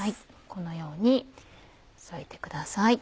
このように裂いてください。